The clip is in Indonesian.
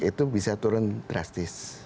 itu bisa turun drastis